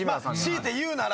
強いて言うなら。